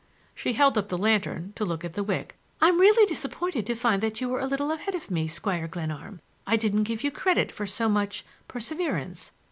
She held up the lantern to look at the wick. "I'm really disappointed to find that you were a little ahead of me, Squire Glenarm. I didn't give you credit for so much—perseverance.